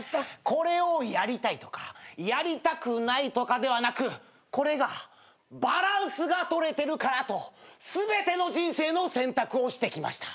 これをやりたいとかやりたくないとかではなくこれがバランスが取れてるからと全ての人生の選択をしてきました。